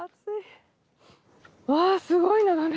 わあすごい眺め。